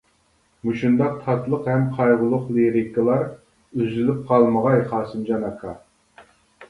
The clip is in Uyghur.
مۇشۇنداق تاتلىق ھەم قايغۇلۇق لىرىكىلار ئۈزۈلۈپ قالمىغاي قاسىمجان ئاكا!